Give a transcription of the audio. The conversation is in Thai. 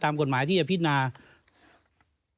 ตามกฎหมายที่จะพิจารณา